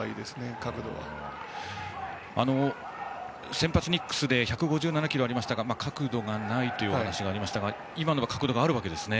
先発ニックスで１５７キロがありましたが角度がないというお話がありましたが今のは角度があるわけですね。